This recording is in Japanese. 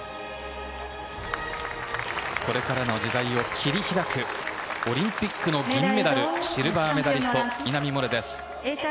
これからの時代を切り開くオリンピックの銀メダルシルバーメダリスト稲見萌寧です。